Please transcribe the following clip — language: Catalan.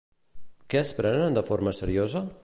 Què es prenen de forma seriosa?